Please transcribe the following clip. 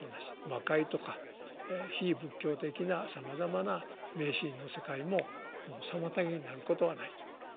魔界とか非仏教的なさまざまな迷信の世界も妨げになることはないと。